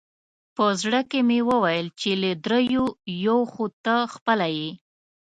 په زړه کې مې وویل چې له درېیو یو خو ته خپله یې.